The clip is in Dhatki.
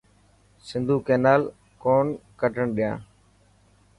سنڌو ۾ ڪينال ڪون ڪڍڻ ڏيا.